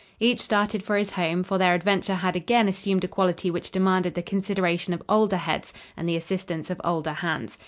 Each started for his home; for their adventure had again assumed a quality which demanded the consideration of older heads and the assistance of older hands.